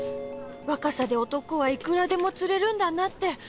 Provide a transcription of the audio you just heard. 若さで男はいくらでも釣れるんだなって